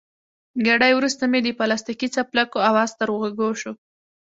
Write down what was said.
ګړی وروسته مې د پلاستیکي څپلکو اواز تر غوږو شو.